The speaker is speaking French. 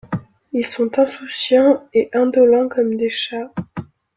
Ils sont insouciants et indolents comme des chats.